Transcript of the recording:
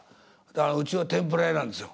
うちは天ぷら屋なんですよ。